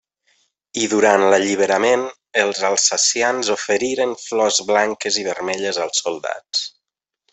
I durant l'Alliberament, els alsacians oferiren flors blanques i vermelles als soldats.